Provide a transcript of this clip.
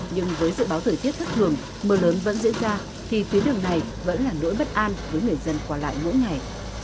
nhưng với dự báo thời tiết thất thường mưa lớn vẫn diễn ra thì tuyến đường này vẫn là nỗi bất an với người dân qua lại mỗi ngày